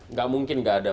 enggak mungkin enggak ada